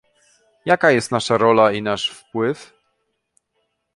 jaka jest nasza rola i nasz wpływ?